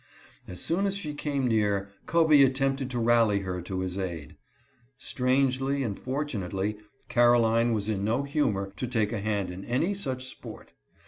As soon as she came near, Covey attempted to rally her to his aid. Strangely and fortunately, Caroline was in no humor to take a hand in any such sport.